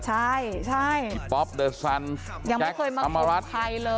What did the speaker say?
ใช่คิปป๊อบเดอร์ซันแจ็คอัมมารัส